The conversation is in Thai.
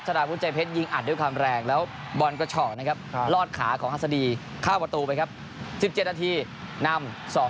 ดาราวุฒิใจเพชรยิงอัดด้วยความแรงแล้วบอลกระฉอกนะครับลอดขาของฮัศดีเข้าประตูไปครับ๑๗นาทีนำ๒๐